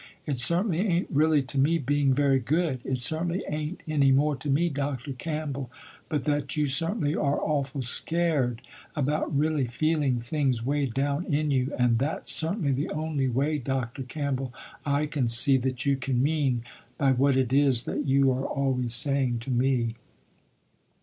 It certainly ain't really to me being very good. It certainly ain't any more to me Dr. Campbell, but that you certainly are awful scared about really feeling things way down in you, and that's certainly the only way Dr. Campbell I can see that you can mean, by what it is that you are always saying to me."